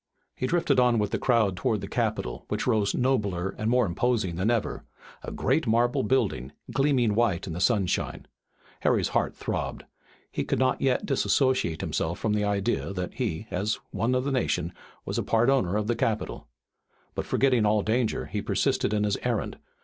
He drifted on with the crowd toward the Capitol, which rose nobler and more imposing than ever, a great marble building, gleaming white in the sunshine. Harry's heart throbbed. He could not yet dissociate himself from the idea that he, as one of the nation, was a part owner of the Capitol. But, forgetting all danger, he persisted in his errand.